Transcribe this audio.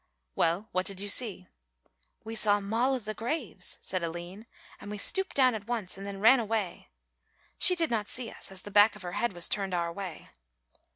"Well, what did you see?" "We saw 'Moll o' the graves,'" said Aline, "and we stooped down at once and then ran away. She did not see us, as the back of her head was turned our way."